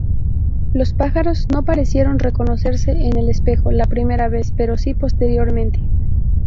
Los pájaros no parecieron reconocerse en el espejo la primera vez, pero sí posteriormente.